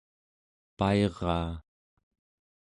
pairaa